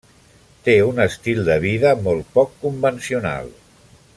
Té un estil de vida molt poc convencional.